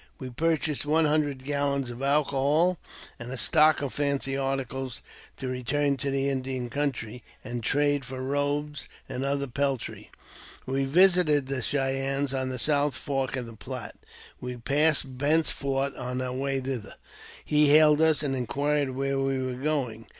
We purchased one hundred gallons of alcohol, and a stock of fancy articles, to return to the Indian country, and trade for robes and other peltry. We visited the Cheyennes on the South Fork of the Platte. We passed Bent's fort on our way thither. He hailed us, and inquired where we were going.